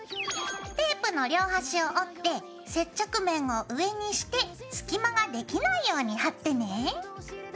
テープの両端を折って接着面を上にして隙間ができないように貼ってね。